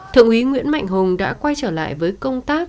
thượng úy nguyễn mạnh hùng đã quay trở lại với công tác